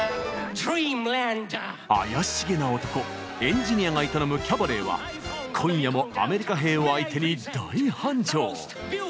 怪しげな男エンジニアが営むキャバレーは今夜もアメリカ兵を相手に大繁盛。